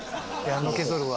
のけぞるわ。